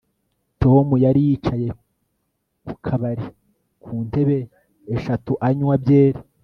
Tom yari yicaye ku kabari kuntebe eshatu anywa byeri